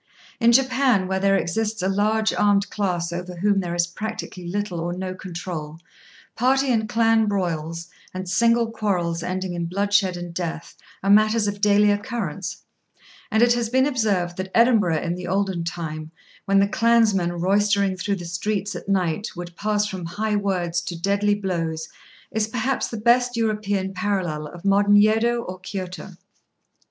In Japan, where there exists a large armed class over whom there is practically little or no control, party and clan broils, and single quarrels ending in bloodshed and death, are matters of daily occurrence; and it has been observed that Edinburgh in the olden time, when the clansmen, roistering through the streets at night, would pass from high words to deadly blows, is perhaps the best European parallel of modern Yedo or Kiôto.